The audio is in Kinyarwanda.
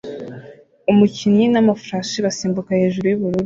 Umukinnyi n'amafarashi basimbuka hejuru yubururu